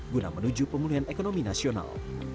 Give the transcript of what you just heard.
guna menuju pemulihan ekonomi nasional